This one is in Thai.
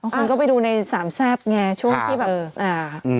คนก็ไปดูในสามแซ่บไงช่วงที่แบบอ่า